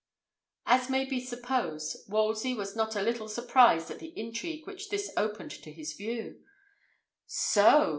As may be supposed, Wolsey was not a little surprised at the intrigue which this opened to his view. "So!"